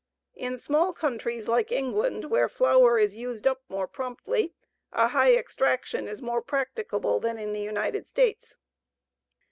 In small countries like England, where flour is used up more promptly, a high extraction is more practicable than in the United States.